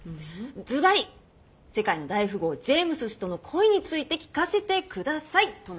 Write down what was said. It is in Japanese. ずばり世界の大富豪ジェームズ氏との恋について聞かせて下さいとのことなんですが。